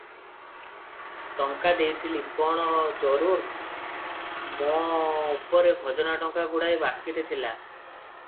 "ଟଙ୍କା ଦେଇଥିଲି କଣ ହଜୁର! ମୋ ଉପରେ ଖଜଣା ଟଙ୍କା ଗୁଡ଼ାଏ ବାକିରେ ଥିଲା ।